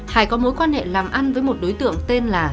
hải có mối quan hệ làm ăn với một đối tượng tên là